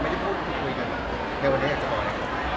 ในวันนี้อยากจะบอกอะไรกับแม่